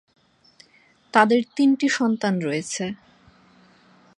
তাদের তিনটি সন্তান রয়েছে।